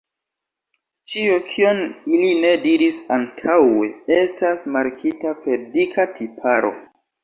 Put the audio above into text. Ĉio, kion ili ne diris antaŭe, estas markita per dika tiparo.